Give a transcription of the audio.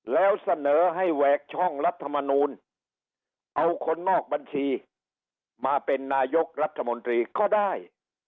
แล้วเสนอให้แหวกช่องรัฐมนูลเอาคนนอกบัญชีมาเป็นนายกรัฐมนตรีก็ได้